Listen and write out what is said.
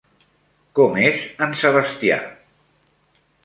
Com és en Sebastià?